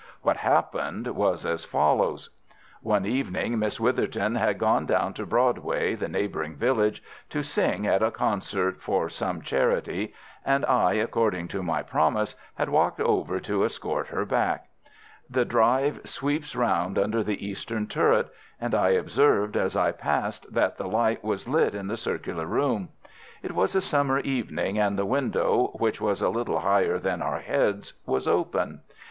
What happened was as follows. One evening Miss Witherton had gone down to Broadway, the neighbouring village, to sing at a concert for some charity, and I, according to my promise, had walked over to escort her back. The drive sweeps round under the eastern turret, and I observed as I passed that the light was lit in the circular room. It was a summer evening, and the window, which was a little higher than our heads, was open.